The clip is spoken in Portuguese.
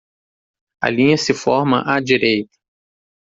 A linha se forma à direita.